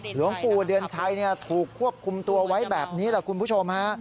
หลวงปู่เดือนชัยถูกควบคุมตัวไว้แบบนี้แหละคุณผู้ชมฮะ